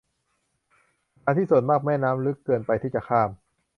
สถานที่ส่วนมาก แม่น้ำลึกเกินไปที่จะข้าม